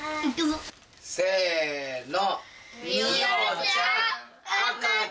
せの。